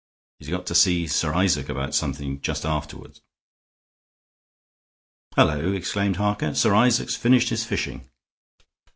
He's got to see Sir Isaac about something just afterward." "Hullo!" exclaimed Harker. "Sir Isaac's finished his fishing.